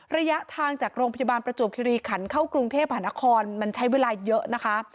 ระยะทางจากโรงพยาบาลประจวบคิริขันเข้ากรุงเทพหานครมันใช้เวลาเยอะนะคะ